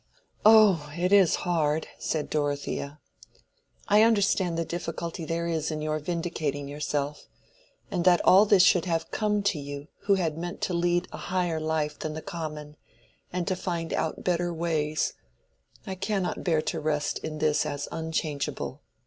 "Oh, it is hard!" said Dorothea. "I understand the difficulty there is in your vindicating yourself. And that all this should have come to you who had meant to lead a higher life than the common, and to find out better ways—I cannot bear to rest in this as unchangeable.